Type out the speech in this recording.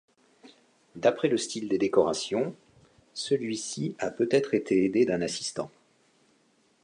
D'après le style des décorations, celui-ci a peut-être été aidé d'un assistant.